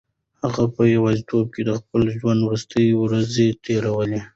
هغه په یوازیتوب کې د خپل ژوند وروستۍ ورځې تېروي.